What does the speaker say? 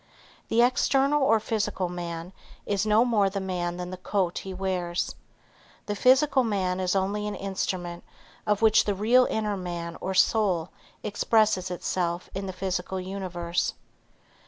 The external or physical man, is no more the man than the coat he wears. The physical man is only an instrument of which the real inner man or soul expresses itself in the physical universe.